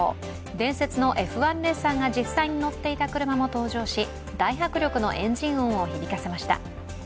伝説のＦ１レーサーが実際に乗っていた車も登場し大迫力のエンジン音を響かせました。